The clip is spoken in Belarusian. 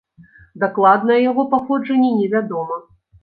Дакладнае яго паходжанне не вядома.